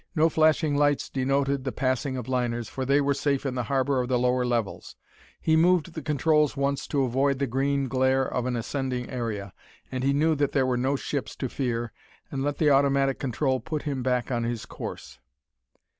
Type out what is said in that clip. No flashing lights denoted the passing of liners, for they were safe in the harbor of the lower levels. He moved the controls once to avoid the green glare of an ascending area, then he knew that there were no ships to fear, and let the automatic control put him back on his course.